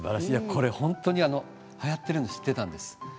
これ、本当にはやっているの知ってたんです。